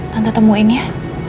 tante temuin ya